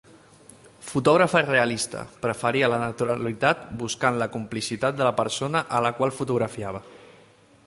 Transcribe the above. Fotògrafa realista, preferia la naturalitat buscant la complicitat de la persona a la qual fotografiava.